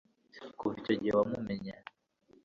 kuva icyo gihe wamumenye